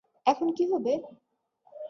এখন কি হবে?